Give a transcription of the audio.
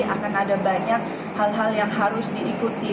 akan ada banyak hal hal yang harus diikuti